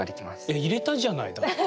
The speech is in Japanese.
いや入れたじゃないだって。